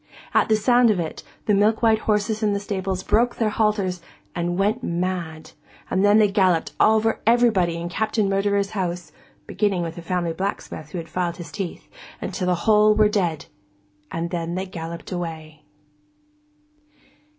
At the sound of it, all the milk white horses in the stables broke their halters and went mad, and then they galloped over everybody in Captain Murderer's house (beginning with the family blacksmith who had filed his teeth) until the whole were dead, and then they galloped away.